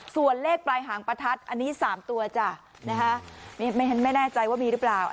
ส่วนเลขปลายหางประทัดอันนี้๓ตัวจ้ะนะคะไม่แน่ใจว่ามีหรือเปล่า